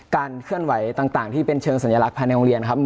เคลื่อนไหวต่างที่เป็นเชิงสัญลักษณ์ภายในโรงเรียนครับ